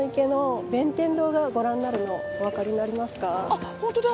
あっ本当だ！